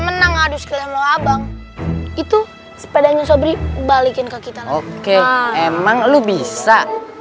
menang aduh kelemah abang itu sepedanya sobre balikin ke kita oke emang lu bisa